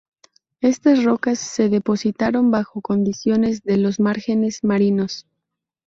Estas rocas se depositaron bajo condiciones de los márgenes marinos.